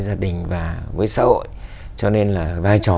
xã hội cho nên là vai trò